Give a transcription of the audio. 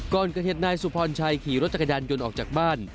ก่อนเกิดเหตุนายสุพรชัยขี่รถจักรยานยนต์ออกจากบ้าน